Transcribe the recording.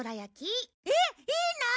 えっいいの！？